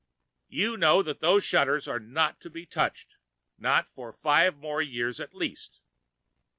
"You know that those shutters are not to be touched! Not for five more years at least!"